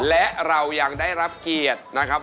และเรายังได้รับเกียรตินะครับ